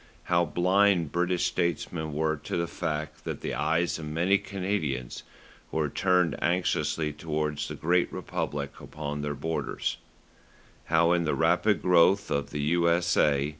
How blind British statesmen were to the fact that the eyes of many Canadians were turned anxiously towards the great republic upon their borders; how in the rapid growth of the U.S.A.